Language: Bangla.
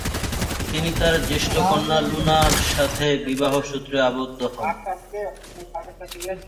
তিনি তার জ্যেষ্ঠ কন্যা লুনা্হ-র সাথে বিবাহ সুত্রে আবদ্ধ হন।